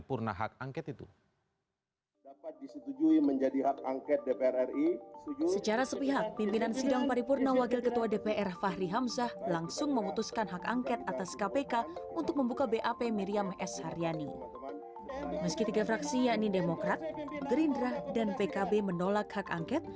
pernyataan indemokrat gerindra dan pkb menolak hak angket